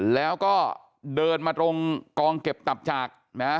แล้วก็เดินมาตรงกองเก็บตับจากนะฮะ